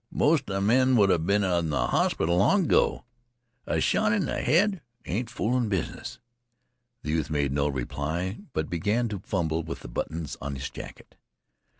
Most 'a men would a' been in th' hospital long ago. A shot in th' head ain't foolin' business." The youth made no reply, but began to fumble with the buttons of his jacket.